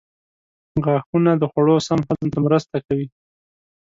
غاښونه د خوړو سم هضم ته مرسته کوي.